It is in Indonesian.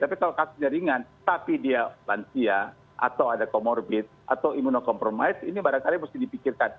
tapi kalau kasusnya ringan tapi dia lansia atau ada comorbid atau imunokompromis ini barangkali mesti dipikirkan